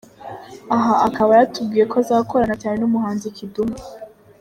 Aha akaba yatubwiye ko azakorana cyane n’umuhanzi Kidumu.